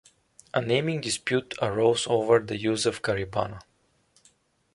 A naming dispute arose over the use of Caribana.